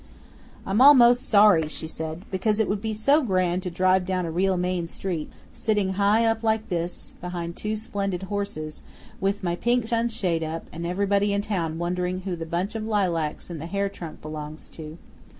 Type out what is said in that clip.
"I'm almost sorry," she sighed, "because it would be so grand to drive down a real main street, sitting high up like this behind two splendid horses, with my pink sunshade up, and everybody in town wondering who the bunch of lilacs and the hair trunk belongs to.